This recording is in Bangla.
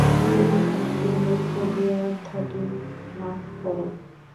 যদি তোমাকে দুঃখ দিয়া থাকি, মাপ করো।